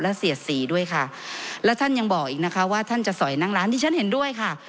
และเสียดสีด้วยค่ะแล้วท่านยังบอกอีกนะคะว่าท่านจะสอยนั่งร้านที่ฉันเห็นด้วยค่ะ